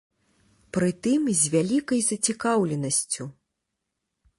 Прытым з вялікай зацікаўленасцю.